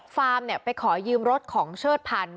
ไปขอยืมรถของเชิดพันธุ